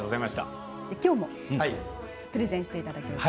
きょうもプレゼンしていただきます。